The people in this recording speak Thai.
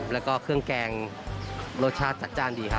แล้วก็เครื่องแกงรสชาติจัดจ้านดีครับ